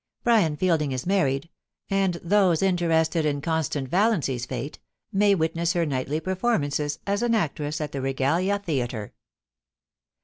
Brian Fielding is married, and those interested in Con stance Valiancy's fate may witness her nightly performances as an actress at the Regalia Theatre.